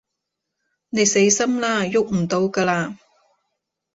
你死心啦，逳唔到㗎喇